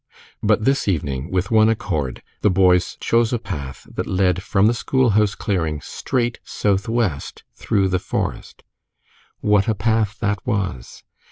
But this evening, with one accord, the boys chose a path that led from the school house clearing straight southwest through the forest. What a path that was!